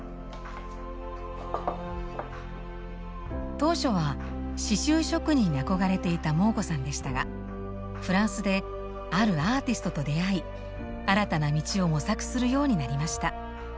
当初は刺しゅう職人に憧れていたモー子さんでしたがフランスであるアーティストと出会い新たな道を模索するようになりました。